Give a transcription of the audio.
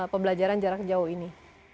pembelajaran jarak jauh ini